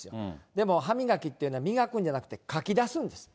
でも歯磨きっていうのは、磨くんじゃなくて、かき出すんです。